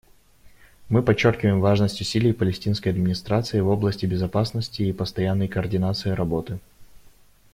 Мы подчеркиваем важность усилий Палестинской администрации в области безопасности и постоянной координации работы.